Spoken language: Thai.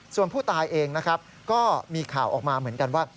ส่วนผู้ตายเองนะครับก็มีข่าวออกมาเหมือนกันว่า